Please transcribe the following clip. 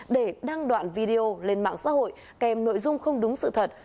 để đăng đoạn video lên mạng xã hội kèm nội dung không đúng sự thật